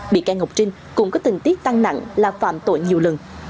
bị can ngọc trinh cũng có tình tiết tăng nặng là phạm tội nhiều lần